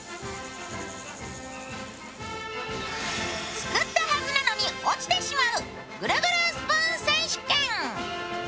すくったはずなのに落ちてしまうぐるぐるスプーン選手権。